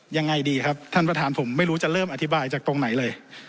ยังไงดีครับท่านประธานผมไม่รู้จะเริ่มอธิบายจากตรงไหนเลย